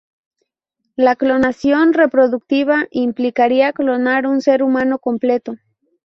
La clonación reproductiva implicaría clonar un ser humano completo.